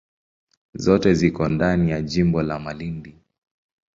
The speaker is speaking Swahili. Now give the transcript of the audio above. Zote ziko ndani ya jimbo la Malindi.